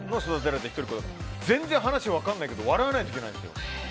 全然、話が分からないけど笑わないといけないんですよ。